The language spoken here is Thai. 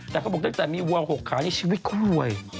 แต่เขาบอกหลักมีวัว๖ขานี่ชีวิตก็รวย